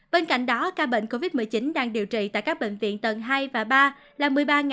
bên cạnh đó ca bệnh covid một mươi chín đang điều trị tại các bệnh viện tầng hai và ba là một mươi ba bảy trăm hai mươi một